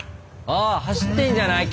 ああ走ってんじゃない？